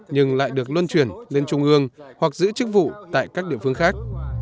nhưng lại được luân chuyển lên trung ương hoặc giữ chức vụ tại các địa phương khác